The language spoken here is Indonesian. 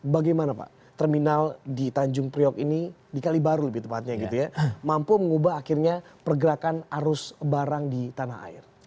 bagaimana pak terminal di tanjung priok ini di kalibaru lebih tepatnya gitu ya mampu mengubah akhirnya pergerakan arus barang di tanah air